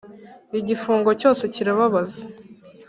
Igifungo cyose kirababaza.